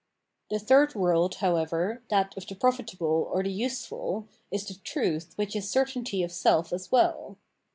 The third world, however, that of the profitable or the useful, is the truth which is certainty of self as well.